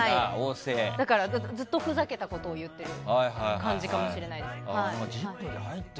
ずっとふざけたことを言ってる感じかもしれないです。